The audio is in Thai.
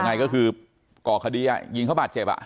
ยังไงก็คือก่อคดียิงเขาบาดเจ็บ